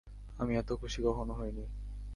আমি এত খুশি কখনো হয়নি।